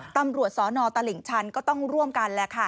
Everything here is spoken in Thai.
ตำรวจสนตลิ่งชันก็ต้องร่วมกันแหละค่ะ